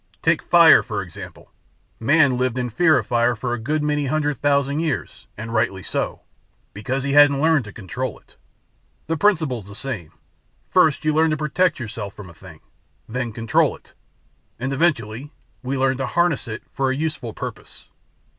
Take 'fire' for example: Man lived in fear of fire for a good many hundred thousand years and rightly so, because he hadn't learned to control it. The principle's the same; First you learn to protect yourself from a thing; then control it; and, eventually, we learn to 'harness' it for a useful purpose."